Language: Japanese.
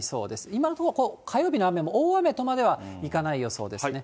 今のところ、火曜日の雨も大雨とまではいかない予想ですね。